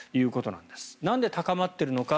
なんで高まっているのか。